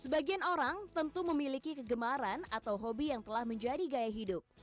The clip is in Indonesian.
sebagian orang tentu memiliki kegemaran atau hobi yang telah menjadi gaya hidup